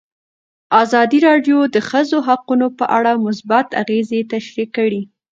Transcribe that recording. ازادي راډیو د د ښځو حقونه په اړه مثبت اغېزې تشریح کړي.